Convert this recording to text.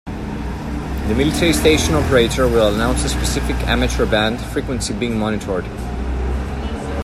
The military station operator will announce the specific amateur-band frequency being monitored.